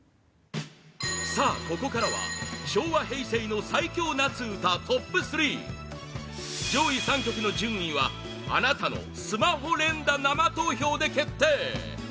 さあ、ここからは昭和・平成の最強夏うたトップ３上位３曲の順位はあなたのスマホ連打生投票で決定！